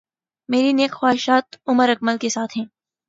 میری نیک خواہشات عمر اکمل کے ساتھ ہیں